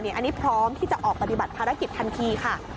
อันนี้พร้อมที่จะออกปฏิบัติภารกิจทันทีค่ะ